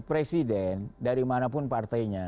presiden dari mana pun partainya